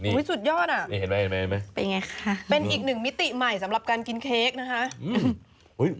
อุ้ยสุดยอดอ่ะเป็นยังไงคะเป็นอีกหนึ่งมิติใหม่สำหรับการกินเค้กนะคะ